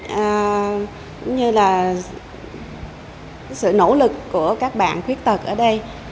cũng như là sự nỗ lực của các bạn khuyết tật ở đây